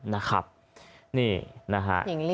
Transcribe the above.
นี่นะฮะ